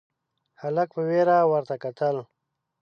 هلک په وېره ورته کتل: